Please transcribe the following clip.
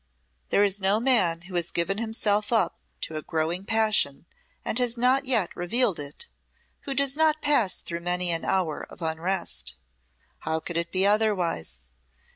There is no man who has given himself up to a growing passion and has not yet revealed it, who does not pass through many an hour of unrest. How could it be otherwise?